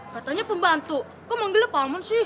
katanya pembantu kok manggilnya palmon sih